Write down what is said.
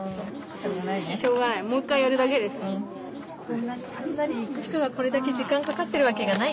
そんなにすんなりいく人がこれだけ時間かかってるわけがない。